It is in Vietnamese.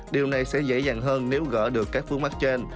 điều này sẽ dễ dàng hơn nếu gỡ được các phương mắc trên